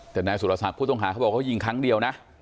แต่แนวสุรสาทผู้ต้องหาเขาบอกก็ยิงครั้งเดียวนะ